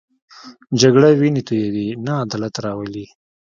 جګړه وینې تویوي، نه عدالت راولي